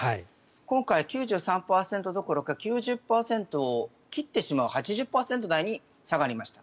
今回９３％どころか９０％を切ってしまう８０％台に下がりました。